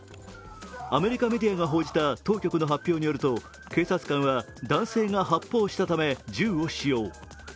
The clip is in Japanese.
アメリカメディアが報じた当局の発表によると警察官は男性が発砲したため銃を使用。